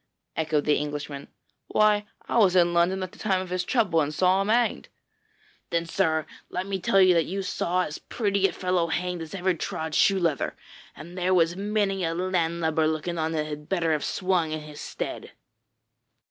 echoed the Englishman. 'Why, I was in London at the time of his trouble and saw him hanged.' 'Then, sir, let me tell you that you saw as pretty a fellow hanged as ever trod shoe leather, and there was many a landlubber looking on that had better have swung in his stead.'